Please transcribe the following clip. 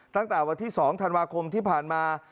ตั้งแต่วันที่๒ธันวาคมที่ผ่านมา